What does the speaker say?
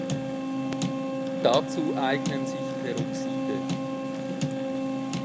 Dazu eignen sich Peroxide.